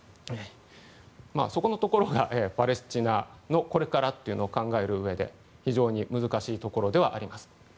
そこのところがパレスチナのこれからというのを考えるうえで、非常に難しいところではあります。